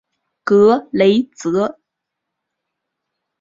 格雷泽。